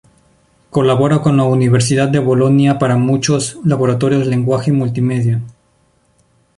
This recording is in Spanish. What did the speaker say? Colabora con la Universidad de Bolonia para muchos laboratorios lenguaje multimedia.